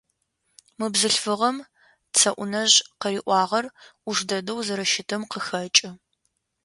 Мы бзылъфыгъэм Цэӏунэжъ къыриӏуагъэр ӏуш дэдэу зэрэщытым къыхэкӏы.